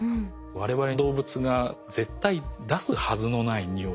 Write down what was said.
我々動物が絶対出すはずのない匂い。